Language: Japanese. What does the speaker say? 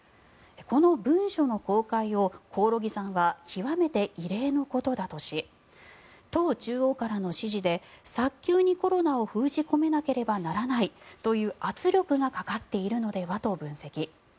この文書の公開を興梠さんは極めて異例のことだとし党中央からの指示で早急にコロナを封じ込めなければならないという圧力がかかっているのではと分析。